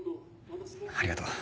ありがとう。